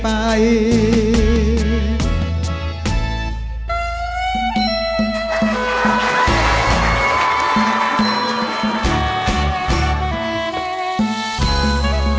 อาร์ฟสิทธิ์